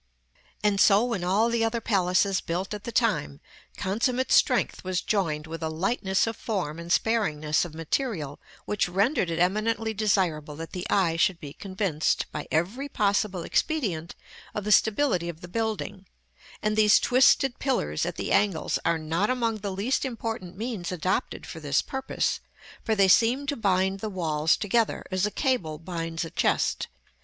" § XI. And so in all the other palaces built at the time, consummate strength was joined with a lightness of form and sparingness of material which rendered it eminently desirable that the eye should be convinced, by every possible expedient, of the stability of the building; and these twisted pillars at the angles are not among the least important means adopted for this purpose, for they seem to bind the walls together as a cable binds a chest.